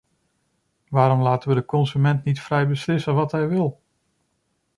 Waarom laten wij de consument niet vrij beslissen wat hij wil?